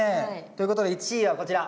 ということで１位はこちら。